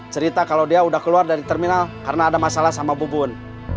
cerita kalau dia udah keluar dari terminal karena ada masalah sama bubun